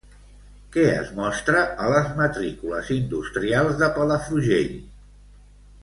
Què es mostra a les matrícules industrials de Palafrugell?